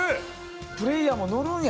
プレーヤーものるんや。